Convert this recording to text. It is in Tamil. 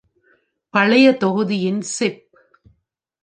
பழைய தொகுதியின் சிப்